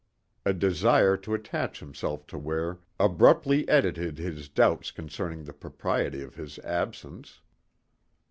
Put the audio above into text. A desire to attach himself to Ware abruptly edited his doubts concerning the propriety of his absence.